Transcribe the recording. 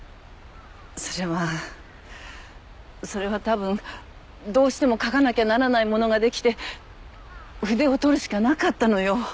それはそれはたぶんどうしても描かなきゃならないものができて筆を執るしかなかったのよ。